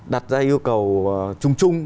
đặt ra yêu cầu chung chung